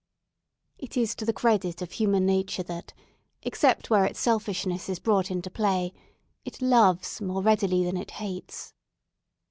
It is to the credit of human nature that, except where its selfishness is brought into play, it loves more readily than it hates.